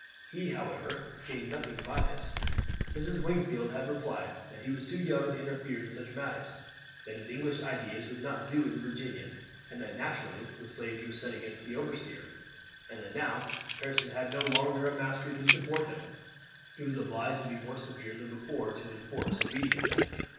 He, however, gained nothing by this. Mrs. Wingfield had replied that he was too young to interfere in such matters, that his English ideas would not do in Virginia, and that naturally the slaves were set against the overseer; and that now Pearson had no longer a master to support him, he was obliged to be more severe than before to enforce obedience.